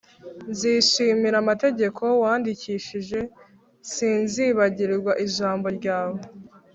. Nzishimira amategeko wandikishije, sinzibagirwa ijambo ryawe